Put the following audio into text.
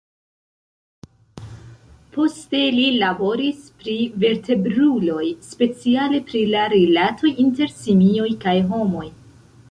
Poste, li laboris pri vertebruloj, speciale pri la rilatoj inter simioj kaj homoj.